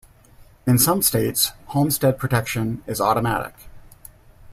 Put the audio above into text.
In some states, homestead protection is automatic.